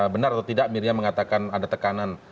benar atau tidak miriam mengatakan ada tekanan